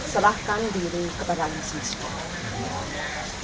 serahkan diri kepada allah swt